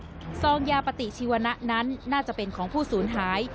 ข้อมูลว่าซองยาปฏิชีวนะนั้นน่าจะเป็นของผู้ศูนย์หาย